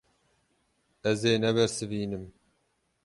Ez ê nebersivînim.